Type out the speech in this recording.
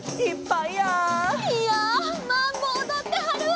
「いゃあマンボおどってはるわ」